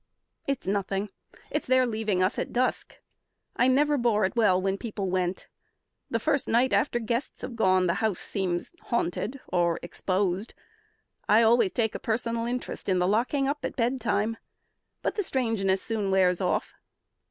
It's nothing; it's their leaving us at dusk. I never bore it well when people went. The first night after guests have gone, the house Seems haunted or exposed. I always take A personal interest in the locking up At bedtime; but the strangeness soon wears off."